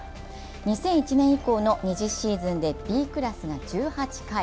２００１年以降の２０シーズンでＢクラスが１８回。